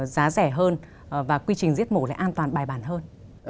giá rẻ hơn và quy trình giết mổ lại an toàn bài bản hơn